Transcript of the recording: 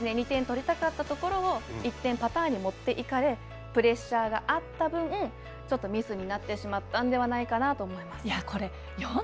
２点取りたかったところを１点パターンに持っていかれプレッシャーがあった分ちょっとミスになってしまったのではないかなと思います。